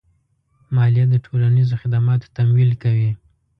مالیه د ټولنیزو خدماتو تمویل کوي.